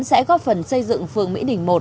sẽ góp phần xây dựng phường mỹ đình một